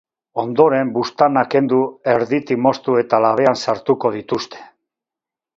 Ondoren buztanak kendu, erditik moztu eta labean sartuko dituzte.